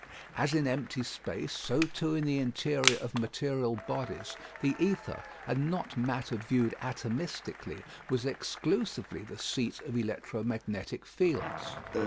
As in empty space, so too in the interior of material bodies, the ether, and not matter viewed atomistically, was exclusively the seat of electromagnetic fields.